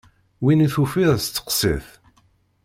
Win i tufiḍ steqsi-t!